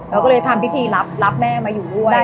เราก็เลยทำพิธีรับแม่มาอยู่ด้วย